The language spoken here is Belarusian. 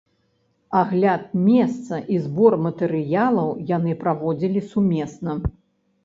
Агляд месца і збор матэрыялаў яны праводзілі сумесна.